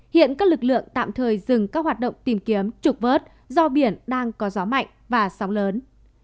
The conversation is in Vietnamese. hiện các lực lượng tạm thời dừng các hoạt động tìm kiếm trục vớt do biển đang có gió mạnh và sóng lớn